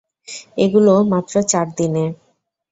এগুলো, মাত্র চার দিনে।